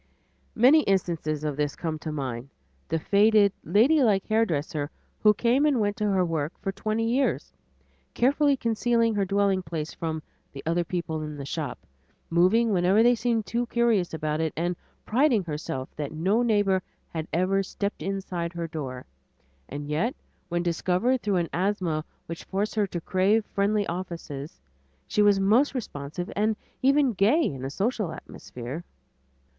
Many instances of this come into my mind; the faded, ladylike hairdresser, who came and went to her work for twenty years, carefully concealing her dwelling place from the "other people in the shop," moving whenever they seemed too curious about it, and priding herself that no neighbor had ever "stepped inside her door," and yet when discovered through an asthma which forced her to crave friendly offices, she was most responsive and even gay in a social atmosphere.